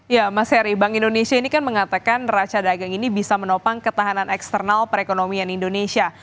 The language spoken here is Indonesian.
ya mas heri bank indonesia ini kan mengatakan raca dagang ini bisa menopang ketahanan eksternal perekonomian indonesia